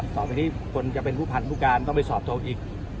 ต่อไปนี้คนจะเป็นผู้พันธ์ผู้การต้องไปสอบโทรอีก